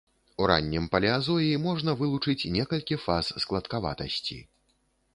У раннім палеазоі можна вылучыць некалькі фаз складкаватасці.